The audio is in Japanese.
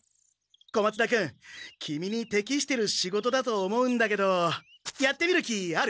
小松田君君にてきしてる仕事だと思うんだけどやってみる気ある？